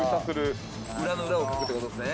裏の裏をかくってことですね。